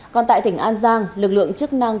còn tại tỉnh an giang lực lượng chức năng